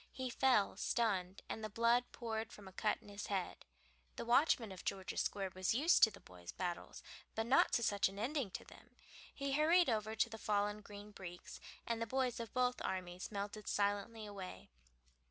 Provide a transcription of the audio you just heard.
He fell stunned, and the blood poured from a cut in his head. The watchman in George's Square was used to the boys' battles, but not to such an ending to them. He hurried over to the fallen Green Breeks, and the boys of both armies melted silently away.